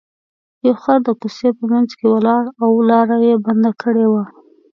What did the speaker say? یو خر د کوڅې په منځ کې ولاړ و لاره یې بنده کړې وه.